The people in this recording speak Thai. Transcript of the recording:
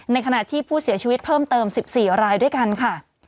ในขณะที่ผู้เสียชีวิตเพิ่มเติม๑๔รายด้วยกันค่ะ